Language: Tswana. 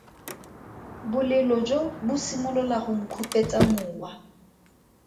Bolelo jo bo simolola go nkhupetsa mowa.